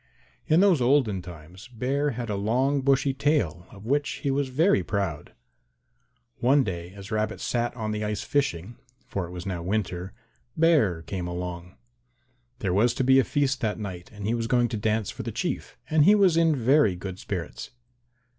In those olden times Bear had a long bushy tail of which he was very proud. One day as Rabbit sat on the ice fishing for it was now winter Bear came along. There was to be a feast that night and he was going to dance for the Chief, and he was in very good spirits.